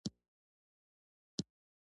ایا ستاسو خوی نرم دی؟